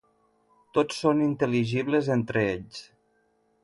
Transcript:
Tots són intel·ligibles entre ells.